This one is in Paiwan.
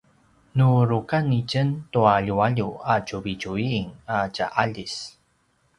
nu rukan itjen tua ljualju ’atjuvitjuvin a tja aljis